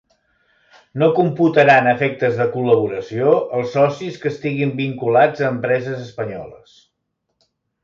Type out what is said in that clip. No computaran a efectes de col·laboració els socis que estiguin vinculats a empreses espanyoles.